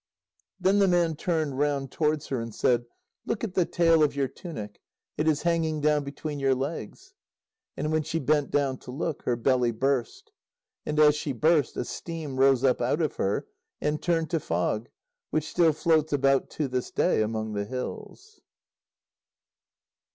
Then the man turned round towards her, and said: "Look at the tail of your tunic; it is hanging down between your legs." And when she bent down to look, her belly burst. And as she burst, a steam rose up out of her, and turned to fog, which still floats about to this day among the hills.